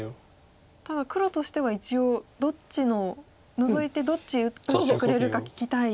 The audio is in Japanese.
ただ黒としては一応どっちのノゾいてどっち取ってくれるか聞きたい。